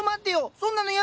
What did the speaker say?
そんなのやだよ！